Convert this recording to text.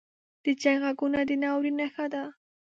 • د جنګ ږغونه د ناورین نښه ده.